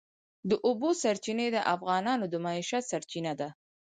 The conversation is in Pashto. د اوبو سرچینې د افغانانو د معیشت سرچینه ده.